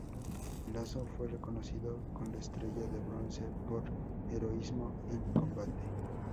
Lazo fue reconocido con la estrella de bronce por heroísmo en combate.